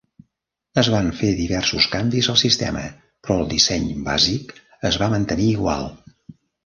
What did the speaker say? Es van fer diversos canvis al sistema, però el disseny bàsic es va mantenir igual.